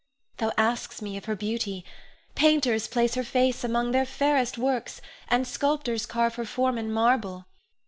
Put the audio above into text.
Thou ask'st me of her beauty. Painters place her face among their fairest works, and sculptors carve her form in marble.